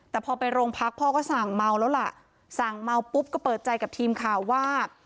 แต่พอไปโรงพักพ่อก็สั่งเมาแล้วล่ะสั่งเมาปุ๊บก็เปิดใจกับทีมข่าวว่า